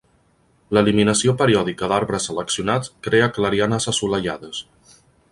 L'eliminació periòdica d'arbres seleccionats crea clarianes assolellades.